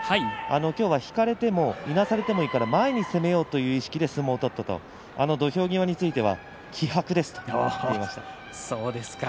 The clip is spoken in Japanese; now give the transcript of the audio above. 今日は引かれても、いなされてもいいから前に攻めようという意識で相撲を取ったと土俵際については気迫ですと言っていました。